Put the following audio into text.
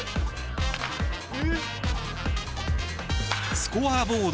スコアボード